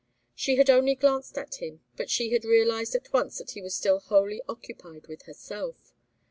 She had only glanced at him, but she had realized at once that he was still wholly occupied with herself.